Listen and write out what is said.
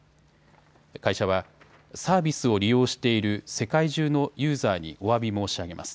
会社はサービスを利用している世界中のユーザーにおわび申し上げます。